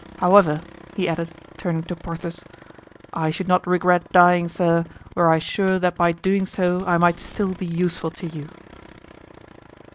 However," he added, turning to Porthos, "I should not regret dying, sir, were I sure that by doing so I might still be useful to you."